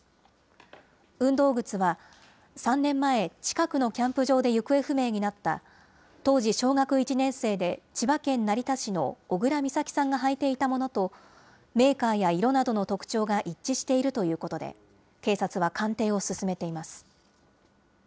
運動靴は、３年前、近くのキャンプ場で行方不明になった、当時小学１年生で千葉県成田市の小倉美咲さんが履いていたものと、メーカーや色などの特徴が一致しているということで、警察は鑑定を進めています。